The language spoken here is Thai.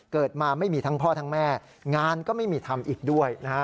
เกิดมาไม่มีทั้งพ่อทั้งแม่งานก็ไม่มีทำอีกด้วยนะฮะ